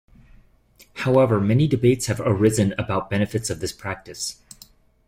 However, many debates have arisen about the benefits of this practice.